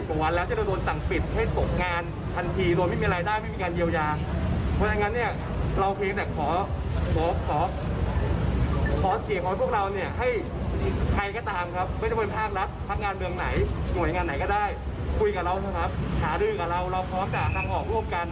โควิดมากมันมันประมาณมากเราไม่อยากทิ้งใครไว้หลังแล้ว